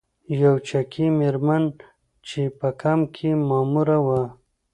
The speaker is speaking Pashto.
یوه چکي میرمن چې په کمپ کې ماموره وه.